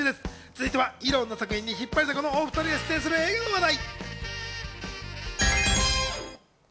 続いては、いろんな作品に引っ張りだこのお２人が出演する映画の話題。